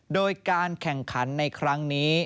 โดยการแข่งขันในครั้งนี้